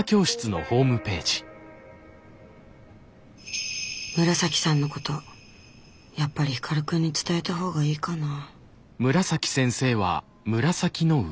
心の声紫さんのことやっぱり光くんに伝えた方がいいかなぁ。